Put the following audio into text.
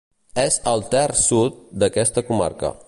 És al terç sud d'aquesta comarca.